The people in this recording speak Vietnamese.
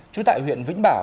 chú tại huyện vĩnh bảo